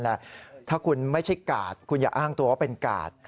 ถ้าคุณไม่ใช่กาดคุณอย่าอ้างตัวว่าเป็นกาด